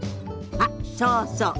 あっそうそう。